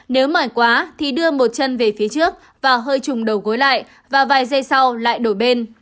nếu mài quá thì đưa một chân về phía trước và hơi trùng đầu gối lại và vài giây sau lại đổi bên